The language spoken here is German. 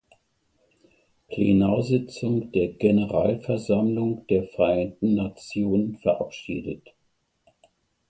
Plenarsitzung der Generalversammlung der Vereinten Nationen verabschiedet.